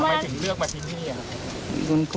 หมายถึงเลือกมาทิ้งที่นี่ครับ